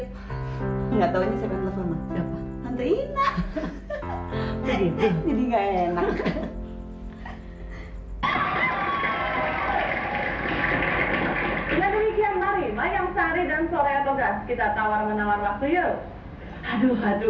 enggak tahu siapa nanti enak jadi enak